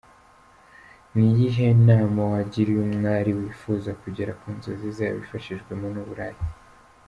Ni iyihe nama wagira uyu mwari wifuza kugera ku nzozi ze abifashijwemo n’uburaya ?.